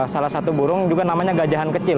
salah satu burung juga namanya gajahan kecil